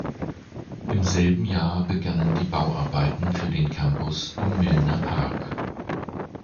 Im selben Jahr begannen die Bauarbeiten für den Campus im Milner Park.